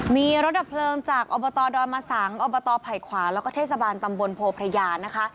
มีรถดับเพลิงจากอบตดอนมะสังอบตไผ่ขวาแล้วก็เทศบาลตำบลโพพระยานะคะ